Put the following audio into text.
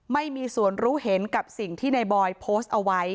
ไม่มีส่วนรู้เห็นกับสิ่งที่ในบอยโพสต์เอาไว้